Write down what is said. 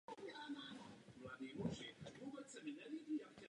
Působil jako starosta města Příbor.